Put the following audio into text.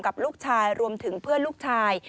กับลูกชายรวมถึงเพื่อนลูกชาย